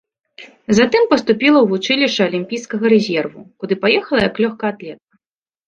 Затым паступіла ў вучылішча алімпійскага рэзерву, куды паехала як лёгкаатлетка.